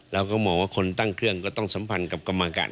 เราก็มองว่าคนตั้งเครื่องก็ต้องสัมพันธ์กับกรรมการ